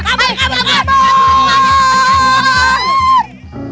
kabur kabur kabur